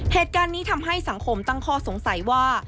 เหตุการณ์นี้ทำให้สังคมตั้งข้อสงสัยว่า